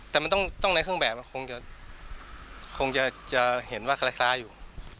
แต่มันต้องในเครื่องแบบคงจะเห็นว่าคล้ายอยู่